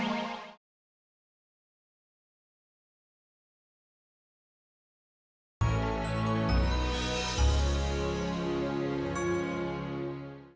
jangan saja cek